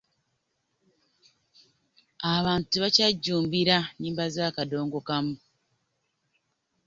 abantu tebakyajjumbira nnyimba za kadongo kamu.